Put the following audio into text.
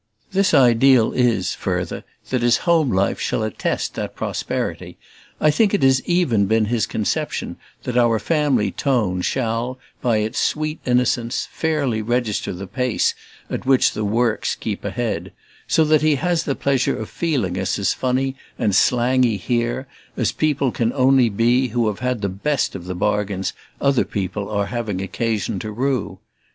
This ideal is, further, that his home life shall attest that prosperity. I think it has even been his conception that our family tone shall by its sweet innocence fairly register the pace at which the Works keep ahead: so that he has the pleasure of feeling us as funny and slangy here as people can only be who have had the best of the bargains other people are having occasion to rue.